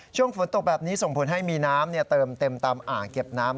ช่วงฝนตกแบบนี้ส่งผลให้มีน้ำเติมเต็มตามอ่างเก็บน้ำ